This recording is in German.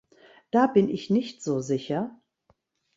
Da bin ich nicht so sicher.